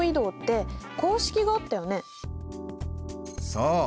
そう。